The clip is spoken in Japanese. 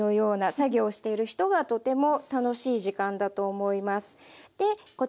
作業をしている人がとても楽しい時間だと思います。